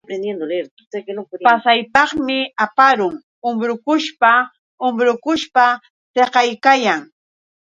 Pasaypaqmi aparun umbrukushpa umbrukushpa siqaykayan.